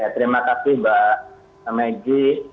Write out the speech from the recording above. terima kasih mbak megi